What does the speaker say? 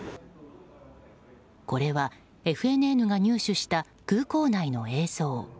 これは、ＦＮＮが入手した空港内の映像。